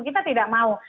kita tidak mau